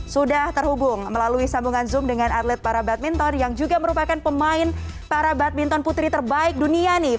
sudah terhubung melalui sambungan zoom dengan atlet para badminton yang juga merupakan pemain para badminton putri terbaik dunia nih